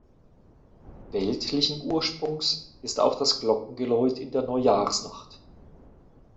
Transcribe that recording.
Weltlichen Ursprungs ist auch das Glockengeläut in der Neujahrsnacht.